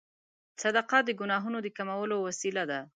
صدقه د ګناهونو د کمولو وسیله ده.